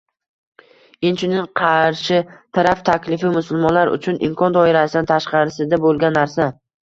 Inchunun, qarshi taraf taklifi musulmonlar uchun imkon doirasidan tashqarida bo‘lgan narsa